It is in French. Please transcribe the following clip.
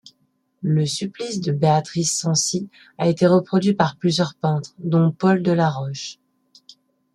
Le supplice de Beatrice Cenci a été reproduit par plusieurs peintres dont Paul Delaroche.